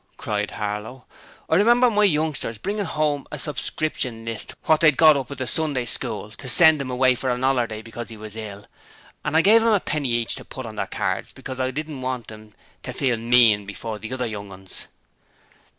cried Harlow. 'I remember my youngsters bringin' 'ome a subscription list what they'd got up at the Sunday School to send 'im away for a 'ollerday because 'e was ill, and I gave 'em a penny each to put on their cards because I didn't want 'em to feel mean before the other young 'uns.'